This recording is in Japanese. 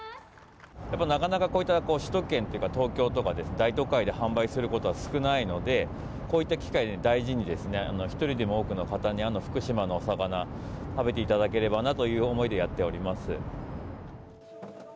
やっぱ、なかなかこういった首都圏とか、東京とか、大都会で販売することは少ないので、こういった機会を大事にですね、一人でも多くの方に、福島のお魚、食べていただければなという思いでやっております。